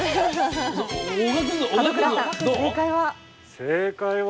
正解は。